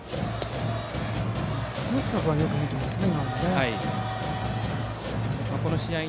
篠塚君はよく見ていますね。